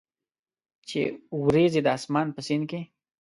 چې اوریځي د اسمان په سیند کې،